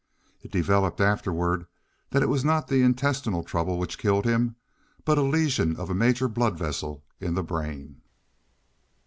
It developed afterward that it was not the intestinal trouble which killed him, but a lesion of a major blood vessel in the brain.